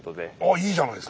いいじゃないですか。